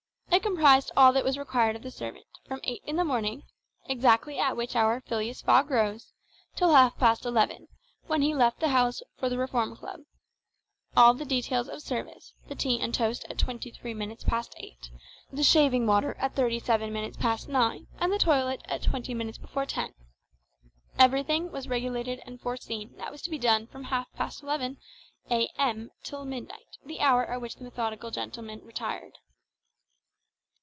It comprised all that was required of the servant, from eight in the morning, exactly at which hour Phileas Fogg rose, till half past eleven, when he left the house for the Reform Club—all the details of service, the tea and toast at twenty three minutes past eight, the shaving water at thirty seven minutes past nine, and the toilet at twenty minutes before ten. Everything was regulated and foreseen that was to be done from half past eleven a.m. till midnight, the hour at which the methodical gentleman retired.